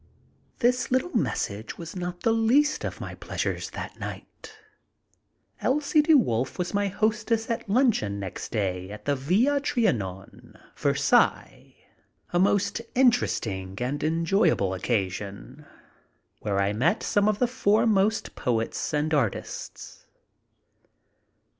This little message was not the least of my pleasures that night. Elsie De Wolf was my hostess at luncheon . next day at the Villa Trianon, Versailles, a most interesting and enjoy able occasion, where I met some of the foremost poets and artists.